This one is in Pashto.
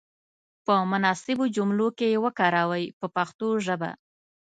په مناسبو جملو کې یې وکاروئ په پښتو ژبه.